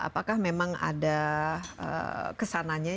apakah memang ada kesananya